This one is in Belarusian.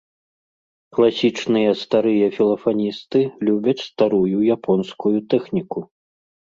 Класічныя, старыя філафаністы любяць старую японскую тэхніку.